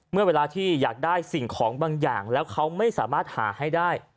เมื่อเวลาที่อยากได้สิ่งของบางอย่างแล้วเขาไม่สามารถหาให้ได้